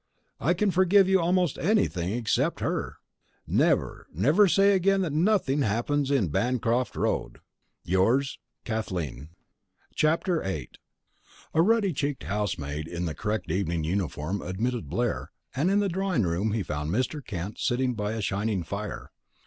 I can forgive you almost anything except her! Never, never say again that nothing happens in Bancroft Road! Yours, KATHLEEN. VIII A ruddy cheeked housemaid in the correct evening uniform admitted Blair, and in the drawing room he found Mr. Kent sitting by a shining fire.